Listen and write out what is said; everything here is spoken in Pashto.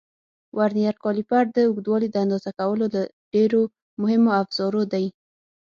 ورنیز کالیپر د اوږدوالي د اندازه کولو له ډېرو مهمو افزارو دی.